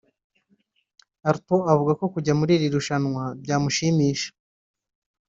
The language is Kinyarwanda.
Alto avuga ko kujya muri iri rushanwa byamushimisha